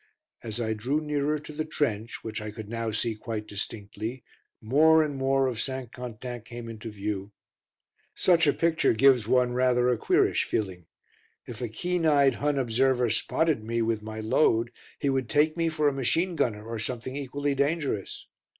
As I drew nearer to the trench, which I could now see quite distinctly, more and more of St. Quentin came into view. Such a picture gives one rather a queerish feeling. If a keen eyed Hun observer spotted me, with my load, he would take me for a machine gunner or something equally dangerous.